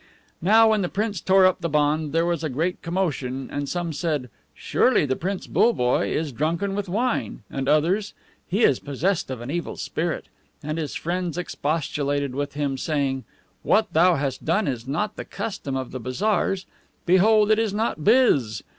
Now when the prince tore up the bond there was a great commotion, and some said, "Surely the Prince BULLEBOYE is drunken with wine;" and others, "He is possessed of an evil spirit;" and his friends expostulated with him, saying, "What thou hast done is not the custom of the bazaars, behold, it is not BIZ!"